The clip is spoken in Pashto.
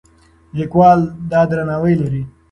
لیکوال دا درناوی لري.